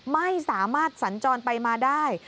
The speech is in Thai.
ไม่สามารถสัญจรไปมาได้